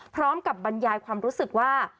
พร้อมกับบรรยายความรู้สึกว่า